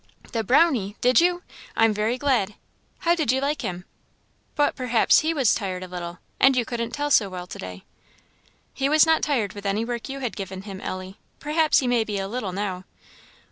"The Brownie! did you? I'm very glad! How did you like him? But perhaps he was tired a little, and you couldn't tell so well to day." "He was not tired with any work you had given him, Ellie perhaps he may be a little, now."